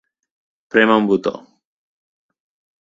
Prémer un botó.